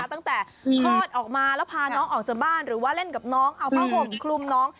ตั้งแต่คลอดออกมาแล้วพาน้องออกจากบ้านหรือว่าเล่นกับน้องเอาผ้าห่มคลุมน้อง